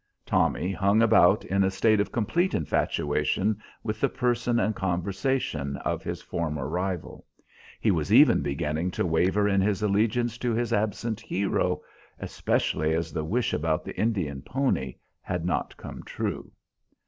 Tommy hung about in a state of complete infatuation with the person and conversation of his former rival. He was even beginning to waver in his allegiance to his absent hero, especially as the wish about the Indian pony had not come true.